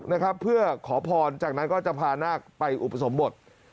นะครับเพื่อขอพรจากนั้นก็จะพานาคไปอุปสมบท